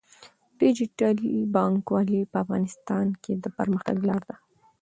ډیجیټل بانکوالي په افغانستان کې د پرمختګ لاره ده.